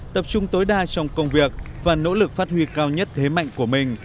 tập trung tối đa trong công việc và nỗ lực phát huy cao nhất thế mạnh của mình